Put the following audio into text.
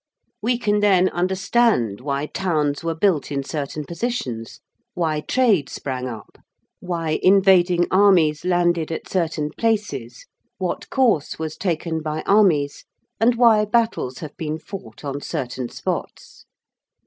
We can then understand why towns were built in certain positions, why trade sprang up, why invading armies landed at certain places, what course was taken by armies, and why battles have been fought on certain spots.